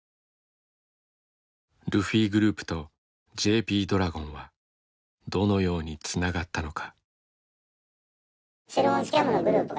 ルフィグループとＪＰドラゴンはどのようにつながったのか。